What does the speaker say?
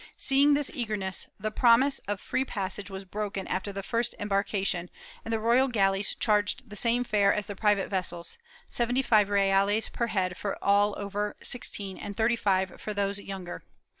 Seeing this eagerness, the promise of free passage was broken after the first embarkation, and the royal galleys charged the same fare as the private vessels — seventy five reales per head for all over sixteen and thirty five for those younger.